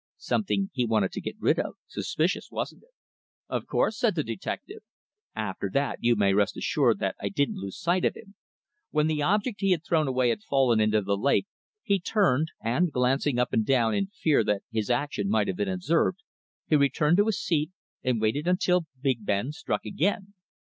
"Something he wanted to get rid of. Suspicious, wasn't it?" "Of course," said the detective. "After that you may rest assured that I didn't lose sight of him. When the object he had thrown away had fallen into the lake he turned, and after glancing up and down in fear that his action might have been observed, he returned to his seat, and waited until Big Ben struck again.